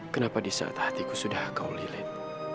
kenapa di saat hatiku sudah kau lilin